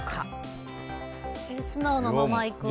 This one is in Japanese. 素直なままいく。